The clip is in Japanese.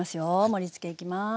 盛りつけいきます。